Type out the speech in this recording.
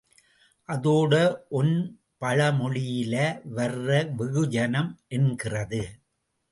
அதோட ஒன் பழமொழியில வர்ற வெகுஜனம் என்கிறது.